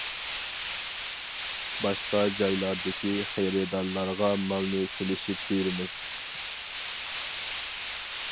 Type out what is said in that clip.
باشقا جايلاردىكى خېرىدارلارغا مالنى سېلىشىپ بېرىمىز.